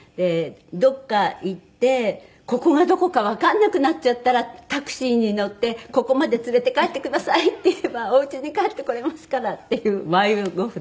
どこか行ってここがどこかわからなくなっちゃったらタクシーに乗って「ここまで連れて帰ってください」って言えばおうちに帰ってこれますからっていう迷子札。